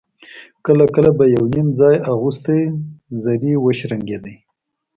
کله کله به يو _نيم ځای اغوستې زرې وشرنګېدې.